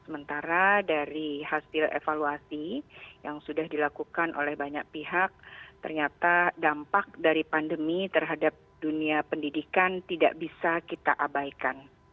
sementara dari hasil evaluasi yang sudah dilakukan oleh banyak pihak ternyata dampak dari pandemi terhadap dunia pendidikan tidak bisa kita abaikan